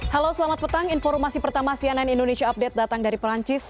halo selamat petang informasi pertama cnn indonesia update datang dari perancis